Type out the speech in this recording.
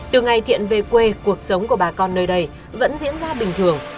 từ ngày thiện về quê cuộc sống của bà con nơi đây vẫn diễn ra bình thường